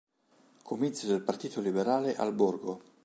Comizio del partito liberale al Borgo.